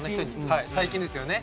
はい最近ですよね。